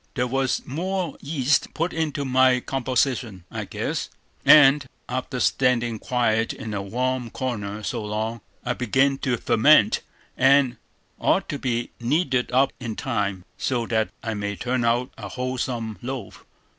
There was more yeast put into my composition, I guess; and, after standing quiet in a warm corner so long, I begin to ferment, and ought to be kneaded up in time, so that I may turn out a wholesome loaf.